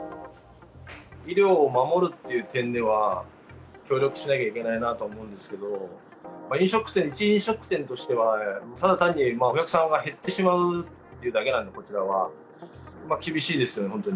医療を守るっていう点では、協力しなきゃいけないなとは思うんですけど、一飲食店としては、ただ単にお客さんが減ってしまうというだけなんで、こちらは。